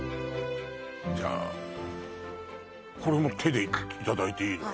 じゃあこれもう手でいただいていいの？